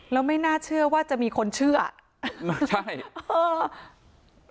แล้วไม่น่าเชื่อว่าจะมีคนเชื่อไม่ใช่เออ